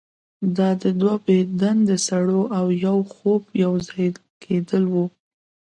دا د دوه بې دندې سړو او یو خوب یوځای کیدل وو